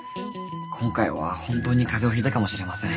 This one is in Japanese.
今回は本当に風邪をひいたかもしれません。